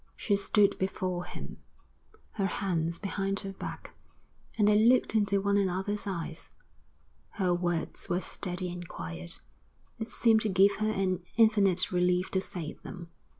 She stood before him, her hands behind her back, and they looked into one another's eyes. Her words were steady and quiet. It seemed to give her an infinite relief to say them.